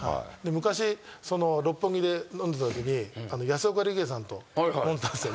昔六本木で飲んでたときに安岡力也さんと飲んでたんですよ。